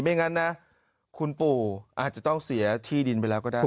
อย่างนั้นนะคุณปู่อาจจะต้องเสียที่ดินไปแล้วก็ได้